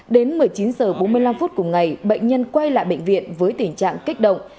đến một mươi chín h bốn mươi năm phút cùng ngày bệnh nhân quay lại bệnh viện với tình trạng kích động